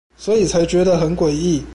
所以才覺得很詭異